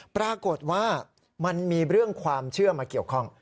ปรากฏว่ามันมีเรื่องความเชื่อมาเกี่ยวข้อง